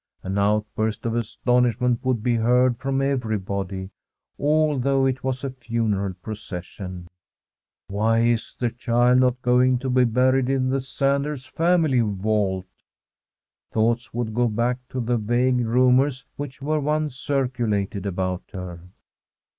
An out burst of astonishment would be heard from every body, although it was a funeral procession: ' Why is the child not going to be buried in the Sanders' family vault ?' Thoughts would go back to the vague rumours which were once circulated about her.